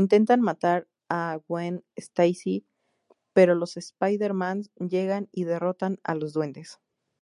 Intentan matar a Gwen Stacy, pero los Spiders-Man llegan y derrotan a los Duendes.